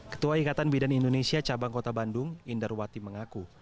ketua ikatan bidan indonesia cabang kota bandung indarwati mengaku